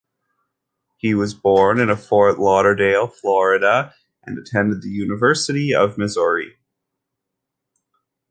He was born in Fort Lauderdale, Florida and attended the University of Missouri.